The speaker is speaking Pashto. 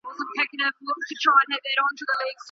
موږ به د ناوي ولور په وخت ادا کړو.